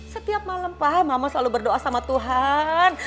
setiap malem pa mama selalu berdoa sama tuhan